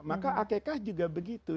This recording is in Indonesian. maka akekah juga begitu